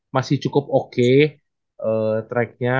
masih cukup oke tracknya